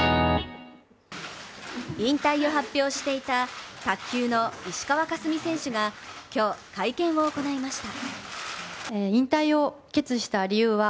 引退を発表していた卓球の石川佳純選手が今日、会見を行いました。